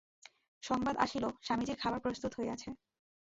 সংবাদ আসিল, স্বামীজীর খাবার প্রস্তুত হইয়াছে।